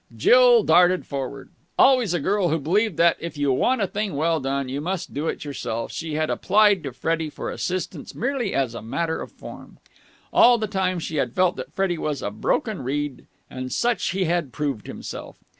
Jill darted forward. Always a girl who believed that, if you want a thing well done, you must do it yourself, she had applied to Freddie for assistance merely as a matter of form. All the time she had felt that Freddie was a broken reed, and such he had proved himself.